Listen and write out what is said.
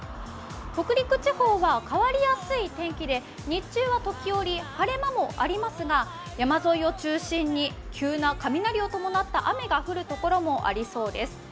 北陸地方は変わりやすい天気で日中は時折晴れ間もありますが、山沿いを中心に急な雷を伴った雨が降る所もありそうです。